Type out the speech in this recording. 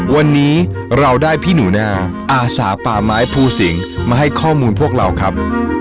วันนี้เราได้พี่หนูนาอาสาป่าไม้ภูสิงมาให้ข้อมูลพวกเราครับ